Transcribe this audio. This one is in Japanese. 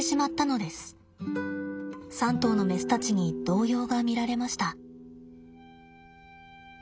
３頭のメスたちに動揺が見られました。